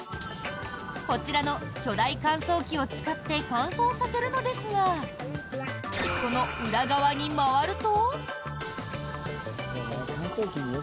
こちらの巨大乾燥機を使って乾燥させるのですがその裏側に回ると。